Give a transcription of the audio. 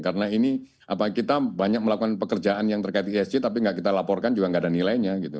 karena ini kita banyak melakukan pekerjaan yang terkait esg tapi gak kita laporkan juga gak ada nilainya